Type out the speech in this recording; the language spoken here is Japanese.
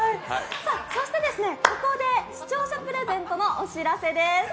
そしてここで視聴者プレゼントのお知らせです。